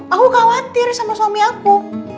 aku khawatir sama suami aku